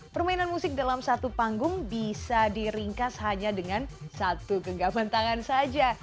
permainan musik dalam satu panggung bisa diringkas hanya dengan satu genggaman tangan saja